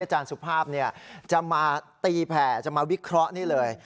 สุภาพจะมาตีแผ่จะมาวิเคราะห์นี่เลย